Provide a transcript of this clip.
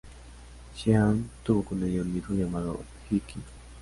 Xian tuvo con ella un hijo llamado Xi Qi.